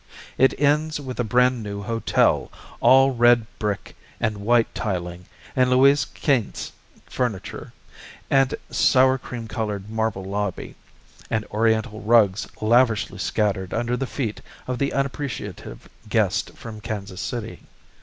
It ends with a brand new hotel, all red brick, and white tiling, and Louise Quinze furniture, and sour cream colored marble lobby, and oriental rugs lavishly scattered under the feet of the unappreciative guest from Kansas City.